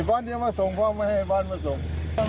บ้านที่มาส่งเพราะไม่ให้บ้านมาส่ง